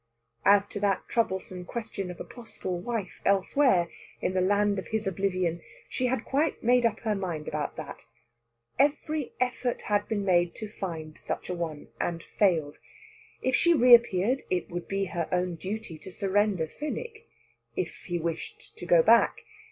As to that troublesome question of a possible wife elsewhere, in the land of his oblivion, she had quite made up her mind about that. Every effort had been made to find such a one, and failed. If she reappeared, it would be her own duty to surrender Fenwick if he wished to go back.